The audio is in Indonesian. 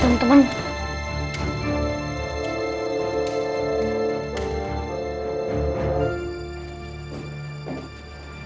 selamat siang bu andien